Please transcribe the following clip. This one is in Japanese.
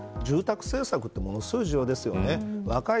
住宅政策はものすごく重要ですよね。